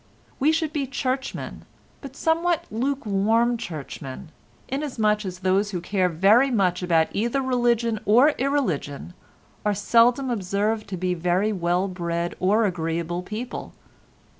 We should be churchmen, but somewhat lukewarm churchmen, inasmuch as those who care very much about either religion or irreligion are seldom observed to be very well bred or agreeable people.